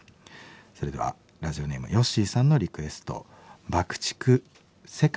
それではラジオネームヨッシーさんのリクエストＢＵＣＫ−ＴＩＣＫ